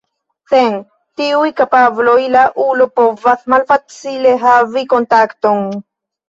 Sen tiuj kapabloj la ulo povas malfacile havi kontakton.